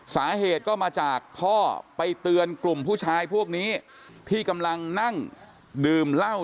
สาเหตุก็มาจากพ่อไปเตือนกลุ่มผู้ชายพวกนี้ที่กำลังนั่งดื่มเหล้า